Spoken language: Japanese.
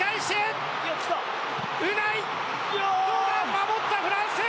守ったフランス！